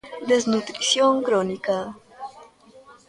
Desnutrición crónica.